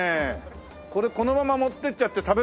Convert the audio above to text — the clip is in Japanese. これこのまま持ってっちゃって食べる人いない？